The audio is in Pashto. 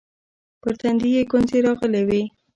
پر تندي يې گونځې راغلې وې.